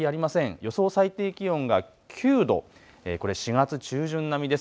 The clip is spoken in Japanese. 予想最低気温が９度、これ４月中旬並みです。